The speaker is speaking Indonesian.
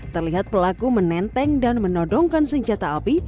terlihat pelaku menenteng dan menodongkan senjata api